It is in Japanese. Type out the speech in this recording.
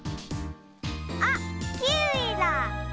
あっキウイだ！